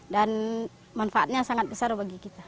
dan manfaatnya sangat besar bagi kita